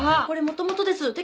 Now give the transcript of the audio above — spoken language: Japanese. これもともとです。